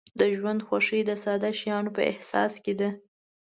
د ژوند خوښي د ساده شیانو په احساس کې ده.